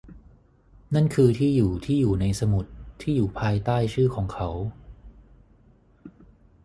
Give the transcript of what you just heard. นั่นคือที่อยู่ที่อยู่ในสมุดที่อยู่ภายใต้ชื่อของเขา